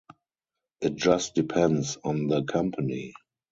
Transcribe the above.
It just depends on the company.